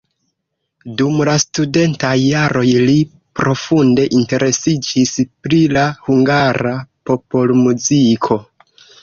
Dum la studentaj jaroj li profunde interesiĝis pri la hungara popolmuziko.